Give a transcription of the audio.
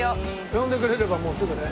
呼んでくれればもうすぐね。